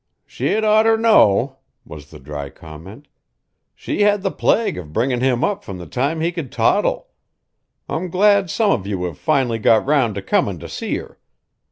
"She'd oughter know," was the dry comment. "She had the plague of bringin' him up from the time he could toddle. I'm glad some of you have finally got round to comin' to see her.